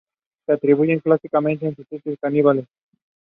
Demand to watch it and achieve record revenues at the time.